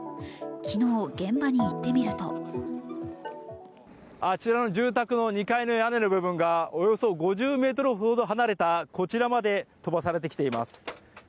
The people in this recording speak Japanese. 昨日、現場に行ってみるとあちらの住宅の２階の屋根の部分がおよそ５０ｍほど離れたこちらまで飛ばされてきています。